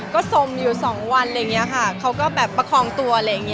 ก็สมอยู่สองวันอะไรอย่างนี้ค่ะเขาก็แบบประคองตัวอะไรอย่างนี้